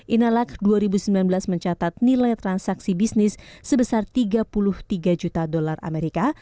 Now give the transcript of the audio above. inalak dua ribu sembilan belas mencatat nilai transaksi bisnis sebesar tiga puluh tiga juta dolar amerika